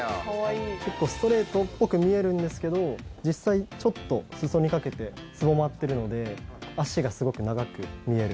ストレートっぽく見えるんですけど実際、ちょっと裾にかけてすぼまってるので足がすごく長く見える。